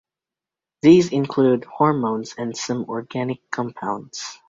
These include hormones and some organic compounds.